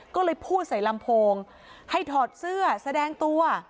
ก็เลยพูดใส่ลำโพงให้ถอดเสื้อแสดงตัว